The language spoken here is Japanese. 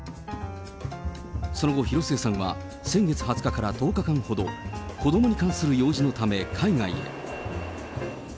その後、広末さんは先月２０日から１０日間ほど、子どもに関する用事のため、海外へ。